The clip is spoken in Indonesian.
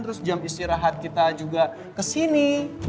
terus jam istirahat kita juga ke sini